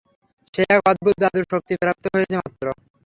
সে এক অদ্ভুত জাদুর শক্তি প্রাপ্ত হয়েছে মাত্র।